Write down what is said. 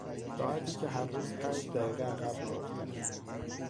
ساعتی که هر روز پنج دقیقه عقب میافتد.